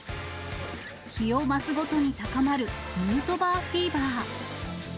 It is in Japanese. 日を増すごとに高まるヌートバーフィーバー。